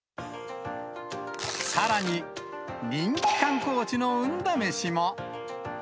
さらに人気観光地の運試しも。